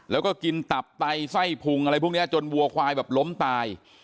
แล้วก็กินตับไตไส้พุงอะไรพวกนี้จนวัวควายแบบล้มตาย